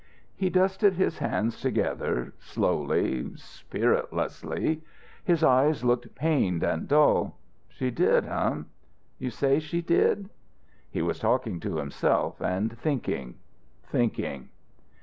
He dusted his hands together, slowly, spiritlessly. His eyes looked pained and dull. "She did, h'm? You say she did?" He was talking to himself, and thinking, thinking.